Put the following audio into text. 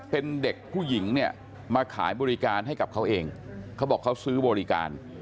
เป็นเด็กผู้หญิงเนี่ยมาขายบริการให้กับเขาเองเขาบอกเขาซื้อบริการ